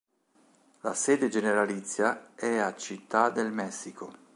La sede generalizia è a Città del Messico.